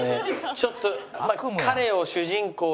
ちょっと。